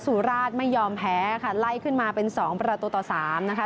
สุราชไม่ยอมแพ้ค่ะไล่ขึ้นมาเป็นสองประตูต่อสามนะคะ